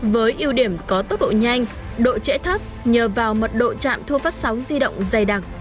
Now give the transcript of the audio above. với ưu điểm có tốc độ nhanh độ trễ thấp nhờ vào mật độ chạm thu phát sóng di động dày đặc